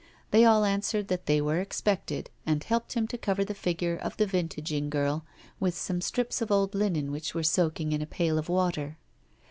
They all answered that they were expected, and helped him to cover the figure of the vintaging girl with some strips of old linen which were soaking in a pail of water.